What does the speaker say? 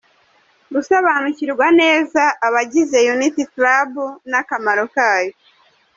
Gusobanukirwa neza abagize Unity Club n’akamaro kayo.